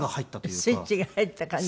スイッチが入った感じ？